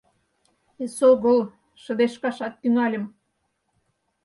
Эсогыл шыдешкашат тӱҥальым.